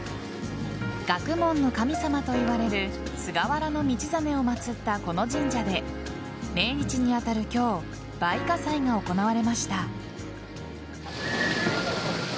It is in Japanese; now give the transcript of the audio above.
学問の神様といわれる菅原道真を祭ったこの神社で命日に当たる今日梅花祭が行われました。